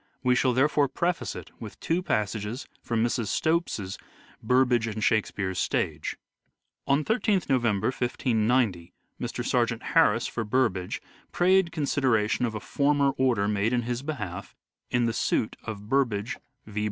We shall therefore preface it with two passages from Mrs. Stopes's " Burbage and Shake speare's Stage" : Sergeant " Qn I3th November, 1590, Mr. Sergeant Harrys Bacon. for Burbage prayed consideration of a former order made in his behalf in the suit of Burbage v.